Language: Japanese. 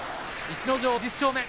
逸ノ城、１０勝目。